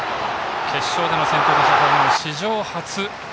決勝での先頭打者ホームランは史上初。